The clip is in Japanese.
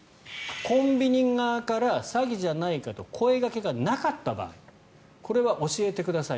コンビニ側から詐欺じゃないかと声掛けがなかった場合これは教えてください。